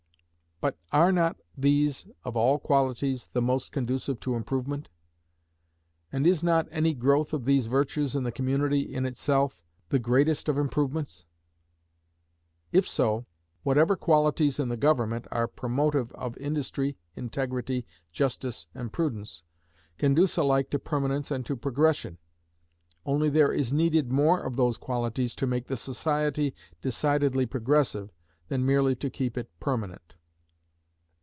But are not these, of all qualities, the most conducive to improvement? and is not any growth of these virtues in the community in itself the greatest of improvements? If so, whatever qualities in the government are promotive of industry, integrity, justice, and prudence, conduce alike to permanence and to progression, only there is needed more of those qualities to make the society decidedly progressive than merely to keep it permanent.